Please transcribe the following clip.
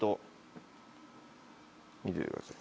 見ててください。